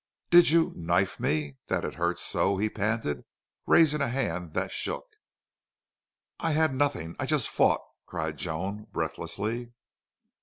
"Did you knife me that it hurts so?" he panted, raising a hand that shook. "I had nothing.... I just fought," cried Joan, breathlessly.